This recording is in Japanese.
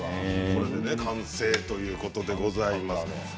これで完成ということでございます。